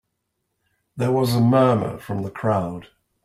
There was a murmur from the crowd.